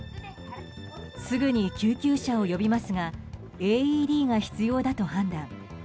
すぐに救急車を呼びますがＡＥＤが必要だと判断。